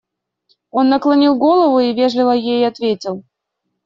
Он наклонил голову и вежливо ей ответил.